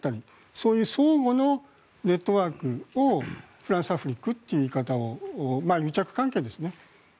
そういう相互のネットワークをフランサフリックという言い方を癒着関係ですね。